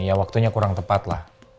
ya waktunya kurang tepat lah